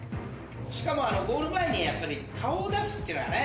しかもあのゴール前にやっぱり顔を出すっていうのはね